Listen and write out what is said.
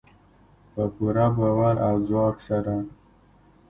په پوره باور او ځواک سره.